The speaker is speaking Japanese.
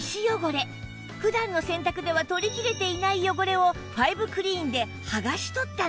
普段の洗濯では取りきれていない汚れをファイブクリーンではがし取ったんです